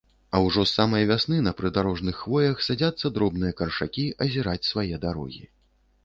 А ўжо з самай вясны на прыдарожных хвоях садзяцца дробныя каршакі азіраць свае дарогі.